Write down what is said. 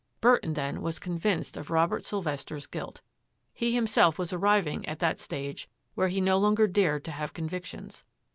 Burton then was convinced of Robert Sylvester's guilt. He himself was arriving at that stage where he no longer dared to have convictions.